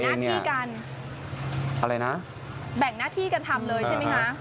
แบ่งหน้าที่กันทำเลยใช่ไหมคะ